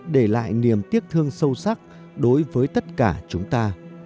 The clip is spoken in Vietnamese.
để lại niềm tiếc thương sâu sắc đối với tất cả chúng ta